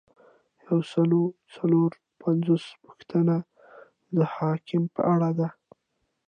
یو سل او څلور پنځوسمه پوښتنه د حکم په اړه ده.